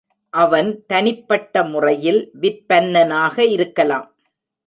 அவன் தனிப்பட்ட முறையில் விற்பன்னனாக இருக்கலாம்.